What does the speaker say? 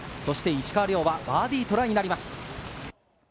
石川遼はバーディートライになります。